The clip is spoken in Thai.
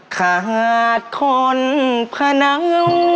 ขาดคนพระน้อง